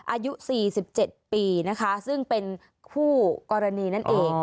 อายุ๔๗ปีนะคะซึ่งเป็นคู่กรณีนั่นเอง